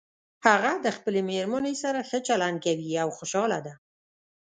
هغه د خپلې مېرمنې سره ښه چلند کوي او خوشحاله ده